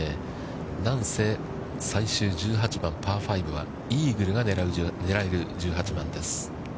何せ最終１８番パー５はイーグルが狙える１８番です。